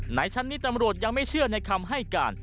ในชั้นนี้ตำรวจยังไม่เชื่อในคำให้การ